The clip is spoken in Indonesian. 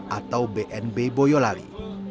atau bnb boyolali